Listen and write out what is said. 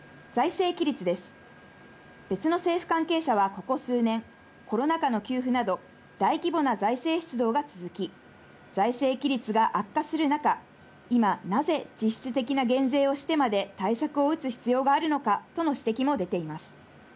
別の政府関係者はここ数年、コロナ禍の給付など大規模な財政出動が続き、財政規律が悪化する中、今、なぜ、実質的な減税をしてまで対策を打つ必要があるのかとの指摘も出ています。